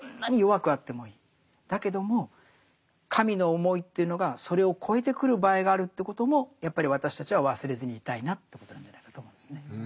だけども神の思いというのがそれを超えてくる場合があるということもやっぱり私たちは忘れずにいたいなということなんじゃないかと思うんですね。